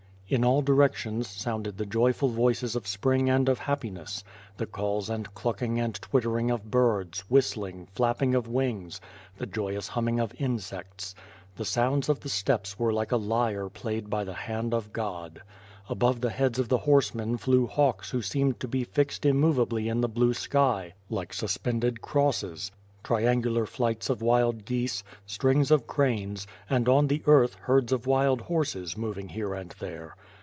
In all directions sounded the joyful voices of spring and of happiness: The calls and clucking and twittering of birds., whistling, flapping of wings, the joyous humming of insects. The sounds of the steppes were like a lyre played by the hand of God. Above the heads of the horsemen flew hawks who seemed to be fixed immovably in the blue sky, like suspended crosses; triangular flights of wild geese; strings of cranes; and on the earth, herds of wild horses, moving here and there.